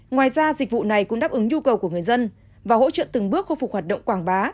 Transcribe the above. ngoài ra dịch vụ này cũng đáp ứng nhu cầu của người dân và hỗ trợ từng bước khôi phục hoạt động quảng bá